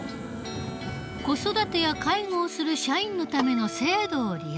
子育てや介護をする社員のための制度を利用しているのだ。